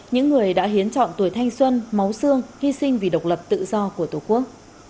những người đã hiến chọn tuổi thanh xuân máu xương hy sinh vì độc lập tự do của tổ quốc